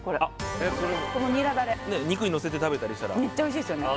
このニラだれ肉にのせて食べたりしたらめっちゃおいしいですよね